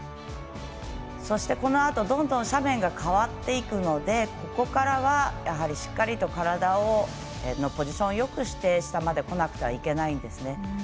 そして、どんどん斜面が変わっていくのでここからは、やはりしっかりと体のポジションをよくして下までこなくてはいけないんですね。